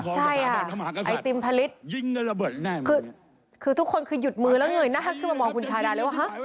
ใช่อ่ะไอติมพลิตคือทุกคนคือหยุดมือแล้วเงยหน้าขึ้นมามองคุณชายได้เลยว่ะ